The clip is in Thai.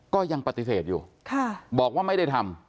ก็ยังปฏิเสธอยู่บอกว่าไม่ได้ทำ